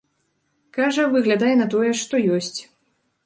Кажа, выглядае на тое, што ёсць.